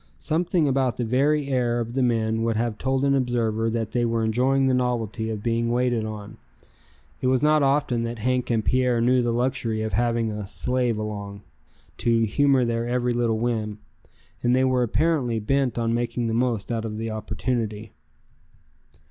Something about the very air of the men would have told an observer that they were enjoying the novelty of being waited on. It was not often that Hank and Pierre knew the luxury of having a "slave" along, to humor their every little whim; and they were apparently bent on making the most out of the opportunity.